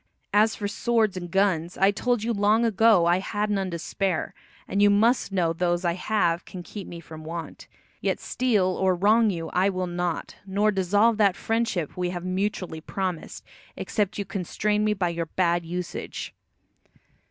As for swords and guns, I told you long ago I had none to spare, and you must know those I have can keep me from want. Yet steal or wrong you I will not, nor dissolve that friendship we have mutually promised, except you constrain me by your bad usage."